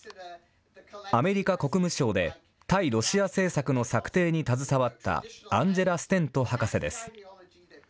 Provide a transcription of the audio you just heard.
アメリカ国務省で、対ロシア政策の策定に携わった、アンジェラ・ステント博士です。